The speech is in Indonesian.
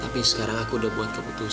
tapi sekarang aku udah buat keputusan